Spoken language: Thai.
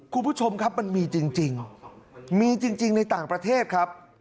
คุณผู้ชมครับมันมีจริงมีจริงในต่างประเทศครับ